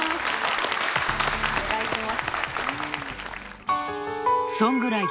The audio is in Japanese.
お願いします。